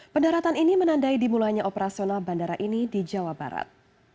pendaratan ini menandai dimulainya operasional bandara ini di jawa barat